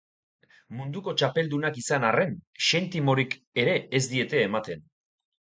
Munduko txapeldunak izan arren, xentimorik ere ez diete ematen.